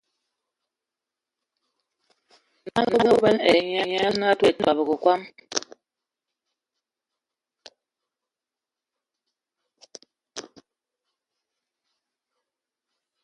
Nala a abɔbɛn ai mye osu ye a ntugəlɛn o a tɔbɔ kɔm.